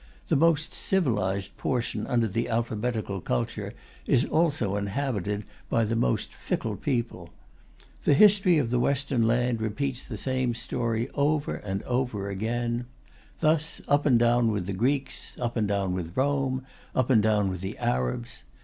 The most civilized portion under the alphabetical culture is also inhabited by the most fickled people. The history of the Western land repeats the same story over and over again. Thus up and down with the Greeks; up and down with Rome; up and down with the Arabs.